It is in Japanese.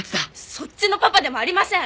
そっちのパパでもありません！